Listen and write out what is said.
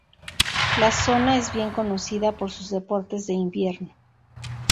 La zona es bien conocida por sus deportes de invierno.